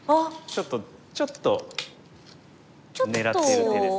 ちょっとちょっと狙っている手ですね。